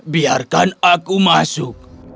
biarkan aku masuk